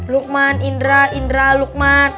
lukman indra indra lukman